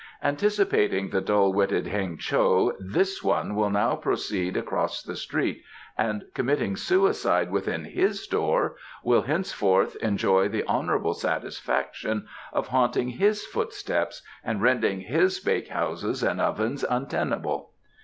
Anticipating the dull witted Heng cho this one will now proceed across the street and, committing suicide within his door, will henceforth enjoy the honourable satisfaction of haunting his footsteps and rending his bakehouses and ovens untenable."